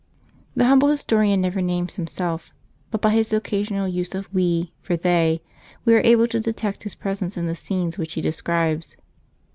The humble historian never names himself, but by his occasional use of " we " for " they " we are able to detect his presence in the scenes which he describes.